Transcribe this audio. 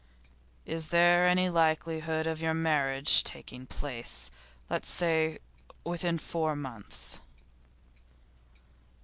'Is there any likelihood of your marriage taking place, let us say, within four months?